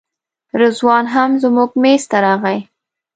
رضوان هم زموږ میز ته راغی.